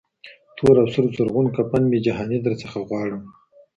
تور او سور زرغون کفن مي جهاني در څخه غواړم